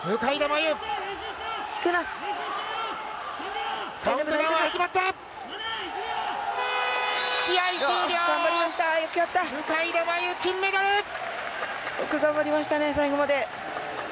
よく頑張りました最後まで。